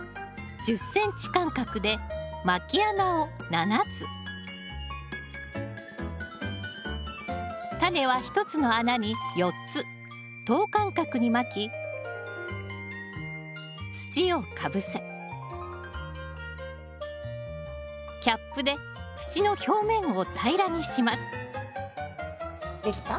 １０ｃｍ間隔でまき穴を７つタネは１つの穴に４つ等間隔にまき土をかぶせキャップで土の表面を平らにします出来た？